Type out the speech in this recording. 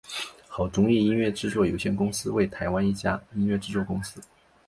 好钟意音乐制作有限公司为台湾的一家音乐制作公司。